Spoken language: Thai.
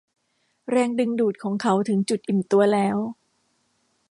แรงดึงดูดของเขาถึงจุดอิ่มตัวแล้ว